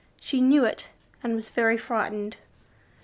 She knew it, and was very frightened.